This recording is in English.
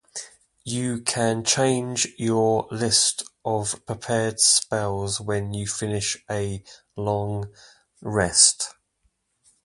You can change your list of prepared spells when you finish a long rest.